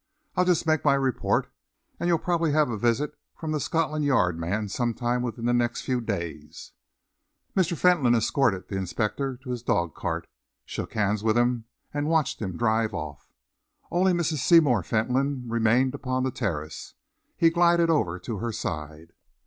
I'll just make my report, and you'll probably have a visit from the Scotland Yard man sometime within the next few days." Mr. Fentolin escorted the inspector to his dog cart, shook hands with him, and watched him drive off. Only Mrs. Seymour Fentolin remained upon the terrace. He glided over to her side.